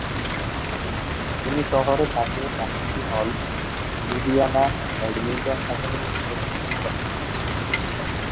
তিনি শহরে থাকলে শাস্ত্রী হল, লুধিয়ানা ব্যাডমিন্টন একাডেমীতে প্রশিক্ষণ করতেন।